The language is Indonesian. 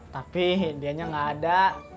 tapi dianya nggak ada